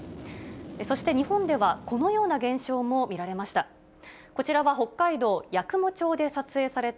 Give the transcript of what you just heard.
そして日本では、このような現象も見られました。